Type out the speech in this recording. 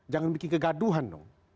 jangan bikin kegaduhan dong